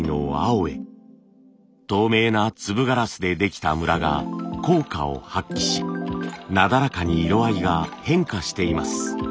透明な粒ガラスでできたムラが効果を発揮しなだらかに色合いが変化しています。